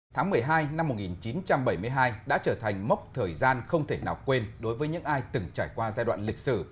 tháng một mươi hai năm một nghìn chín trăm bảy mươi hai đã trở thành mốc thời gian không thể nào quên đối với những ai từng trải qua giai đoạn lịch sử